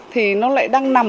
thì nó lại đang nằm